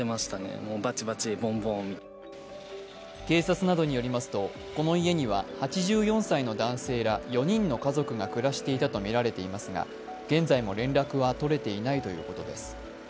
警察などによりますと、この家には８４歳の男性ら４人の家族が暮らしていたとみられていますが、現在も連絡は取れていないということです。